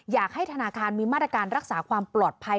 อยากให้ธนาคารมีมาตรการรักษาความปลอดภัย